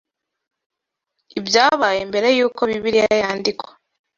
ibyabaye mbere y’uko Bibiliya yandikwa